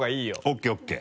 ＯＫＯＫ。